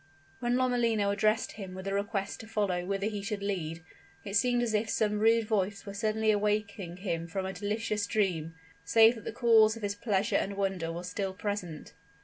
When Lomellino addressed him with a request to follow whither he should lead, it seemed as if some rude voice were suddenly awaking him from a delicious dream save that the cause of his pleasure and wonder was still present.